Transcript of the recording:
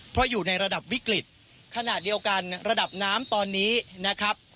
เพราะอยู่ในระดับวิกฤตขณะเดียวกันระดับน้ำตอนนี้นะครับ